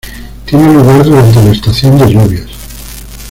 Tiene lugar durante la estación de lluvias.